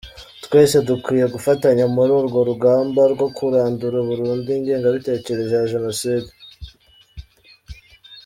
Twese dukwiye gufatanya muri urwo rugamba rwo kurandura burundu ingengabitekerezo ya Jenoside”.